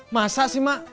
masa sih mak